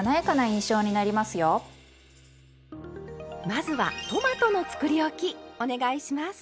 まずはトマトのつくりおきお願いします！